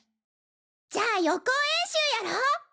じゃあ予行演習やろう！